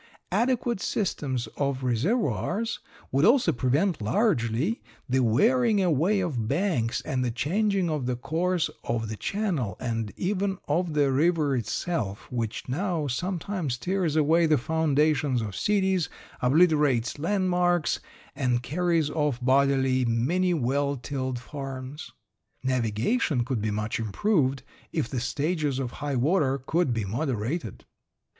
Adequate systems of reservoirs would also prevent largely the wearing away of banks and the changing of the course of the channel and even of the river itself which now sometimes tears away the foundations of cities, obliterates landmarks, and carries off bodily many well tilled farms. Navigation could be much improved if the stages of high water could be moderated.